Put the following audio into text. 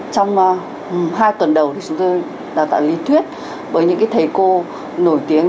trong hai tuần đầu thì chúng tôi đào tạo lý thuyết bởi những cái thầy cô nổi tiếng